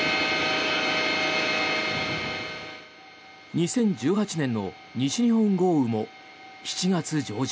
２０１８年の西日本豪雨も７月上旬。